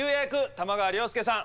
玉川涼介さん